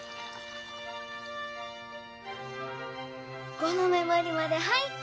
５の目もりまで入った！